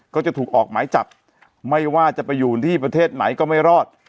ก็จะถูกออกหมายจับไม่ว่าจะไปอยู่ที่ประเทศไหนก็ไม่รอด